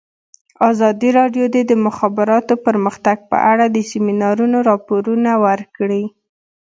ازادي راډیو د د مخابراتو پرمختګ په اړه د سیمینارونو راپورونه ورکړي.